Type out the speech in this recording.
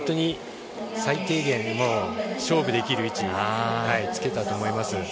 最低限勝負できる位置につけたと思います。